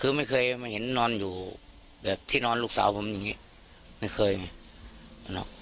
คือไม่เคยมาเห็นนอนอยู่แบบที่นอนลูกสาวผมอย่างงี้ไม่เคยไง